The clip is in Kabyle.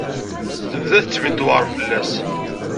Tebda tettbin tewser fell-as.